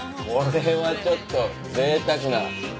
これはちょっとぜいたくな。